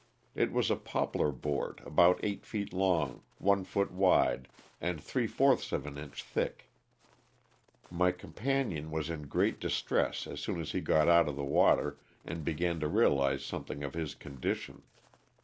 It was a pop lar board about eight feet long, one foot wide, and three fourths of an inch thick. My companion was in great distress as soon as he got out of the water and began to realize something of his condition.